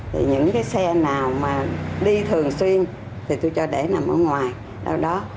thì những cái xe nào mà đi thường xuyên thì tôi cho để nằm ở ngoài đâu đó